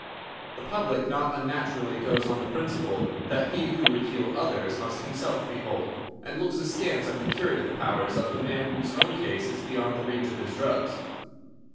The public not unnaturally goes on the principle that he who would heal others must himself be whole, and looks askance at the curative powers of the man whose own case is beyond the reach of his drugs.